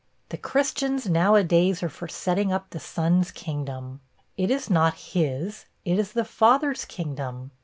The Christians now a days are for setting up the Son's kingdom. It is not his; it is the Father's kingdom.